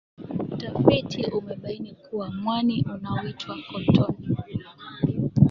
utafifi umebaini kuwa mwani unaoitwa cottonie